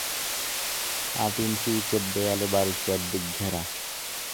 আট ইঞ্চি ইটের দেয়ালে বাড়ির চারদিক ঘেরা।